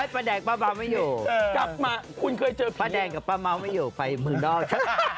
ป้าแดงป้าเมาท์ไม่อยู่ป้าแดงกับป้าเมาท์ไม่อยู่ไปเมืองนอก